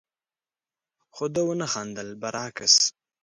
خو ده ونه خندل، برعکس،